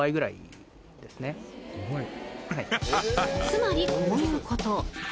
［つまりこういうこと］